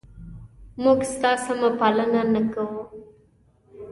موږ ستا سمه پالنه نه کوو؟